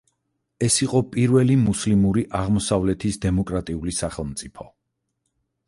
ეს იყო პირველი მუსლიმური აღმოსავლეთის დემოკრატიული სახელმწიფო.